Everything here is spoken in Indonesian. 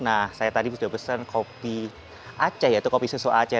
nah saya tadi sudah pesan kopi aceh yaitu kopi susu aceh